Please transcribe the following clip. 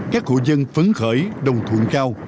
các hội dân phấn khởi đồng thuận cao